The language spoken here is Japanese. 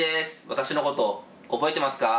私のこと覚えてますか？